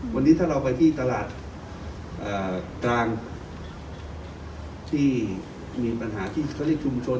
วันนี้ถ้าเราไปที่ตลาดกลางที่มีปัญหาที่เขาเรียกชุมชน